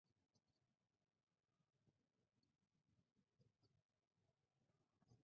El cuerpo tenía en sus manos unos papeles considerados importantes.